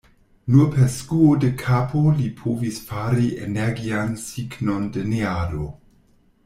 Nur per skuo de kapo li povis fari energian signon de neado.